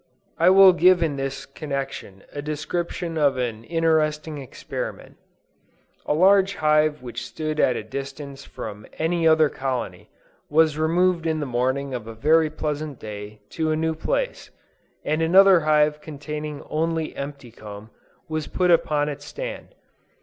I will give in this connection a description of an interesting experiment: A large hive which stood at a distance from any other colony, was removed in the morning of a very pleasant day, to a new place, and another hive containing only empty comb, was put upon its stand.